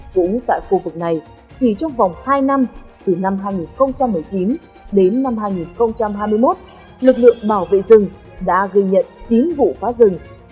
cũng tại khu vực này chỉ trong vòng hai năm từ năm hai nghìn một mươi chín đến năm hai nghìn hai mươi một lực lượng bảo vệ rừng đã ghi nhận chín vụ phá rừng